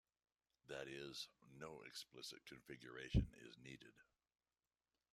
That is, no explicit configuration is needed.